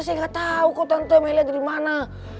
saya gak tau kok tante meli ada di mana